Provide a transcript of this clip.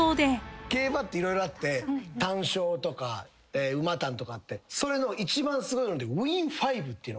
競馬って色々あって単勝とか馬単とかあってそれの一番すごいのでＷＩＮ５っていうのがあって。